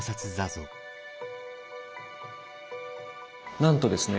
なんとですね